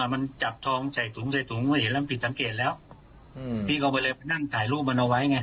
มันจับทองใส่ถุงใส่ถุงก็เห็นแล้วมันผิดสังเกตแล้วพี่เขาก็เลยไปนั่งถ่ายรูปมันเอาไว้ไง